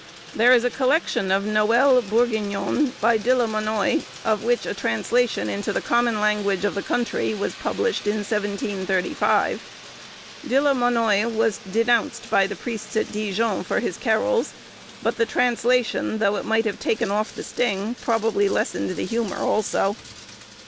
There was a collection of Noëls Bourguignons, by De la Monnoye, of which a translation into the common language of the country was published in 1735. De la Monnoye was denounced by the priests at Dijon, for his carols; but the translation, though it might have taken off the sting, probably lessened the humour also.